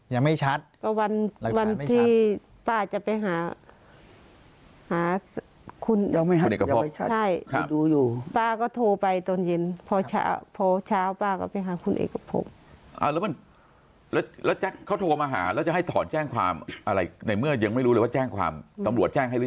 ยังไม่ชัด